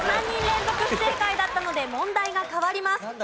３人連続不正解だったので問題が変わります。